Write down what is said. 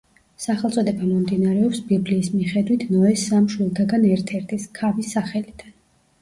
სახელწოდება მომდინარეობს ბიბლიის მიხედვით ნოეს სამ შვილთაგან ერთ-ერთის, ქამის სახელიდან.